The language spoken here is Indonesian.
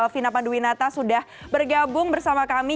vina panduwinata sudah bergabung bersama kami